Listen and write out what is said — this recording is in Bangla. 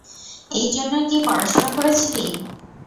এই জন্যই কি পড়াশোনা করেছিলি?